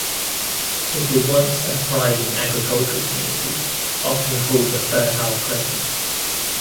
It was once a thriving agricultural community, often called the "fertile crescent".